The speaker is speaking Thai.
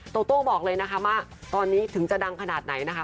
โตโต้บอกเลยนะคะว่าตอนนี้ถึงจะดังขนาดไหนนะคะ